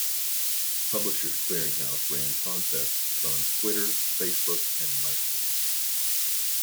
Publishers Clearing House ran contests on Twitter, Facebook and Myspace.